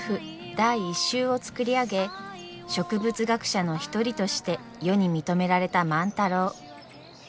第１集を作り上げ植物学者の一人として世に認められた万太郎。